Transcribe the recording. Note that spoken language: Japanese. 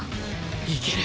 いける！